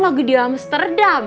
lagi di amsterdam